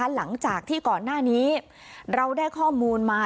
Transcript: หลังจากที่ก่อนหน้านี้เราได้ข้อมูลมา